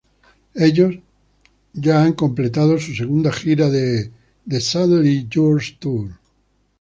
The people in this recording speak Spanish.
Ellos ya han completado su segunda gira "The Suddenly Yours Tour".